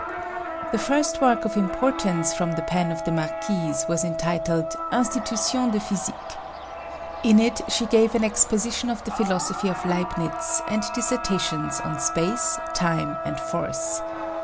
The first work of importance from the pen of the Marquise was entitled Institutions de Physique. In it she gave an exposition of the philosophy of Leibnitz and dissertations on space, time and force.